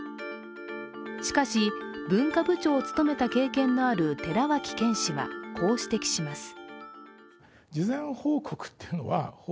しかし、文化部長を務めた経験のある寺脇研氏はこう指摘します。